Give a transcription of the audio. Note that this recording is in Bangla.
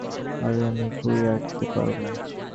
আরেহ, আমি খুঁড়িয়ে হাঁটতে পারব।